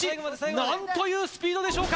なんというスピードでしょうか。